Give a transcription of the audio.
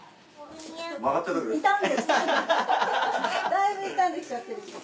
だいぶ傷んできちゃってる。